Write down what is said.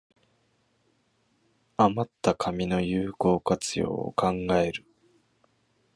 あまった紙の有効活用を考える